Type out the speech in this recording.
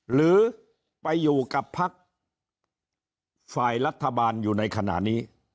หรือไปอยู่กับพักฝ่ายรัฐบาลอยู่ในขณะนี้